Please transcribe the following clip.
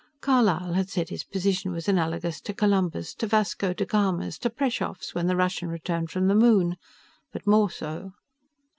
Carlisle had said his position was analogous to Columbus', to Vasco De Gama's, to Preshoff's when the Russian returned from the Moon but more so.